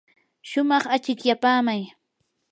shumaq achikyapaamay.